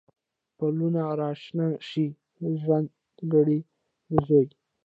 پلونه را شنه شي، د ژرند ګړی د زوی